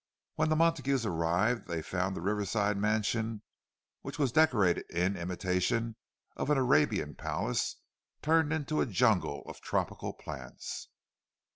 When the Montagues arrived, they found the Riverside mansion—which was decorated in imitation of an Arabian palace—turned into a jungle of tropical plants.